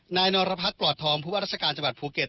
นายนรพัฒน์ปลอดทองผู้ว่าราชการจังหวัดภูเก็ต